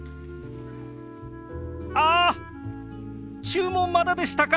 あ注文まだでしたか！